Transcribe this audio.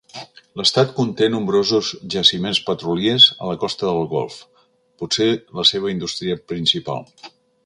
L'estat conté nombrosos jaciments petroliers a la costa del Golf, potser, la seva indústria principal.